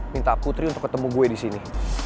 minta putri untuk ketemu gue disini